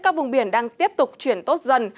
các vùng biển đang tiếp tục chuyển tốt dần